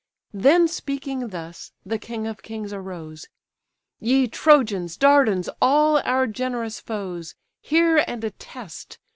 Then speaking thus, the king of kings arose, "Ye Trojans, Dardans, all our generous foes! Hear and attest!